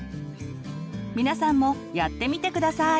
皆さんもやってみて下さい！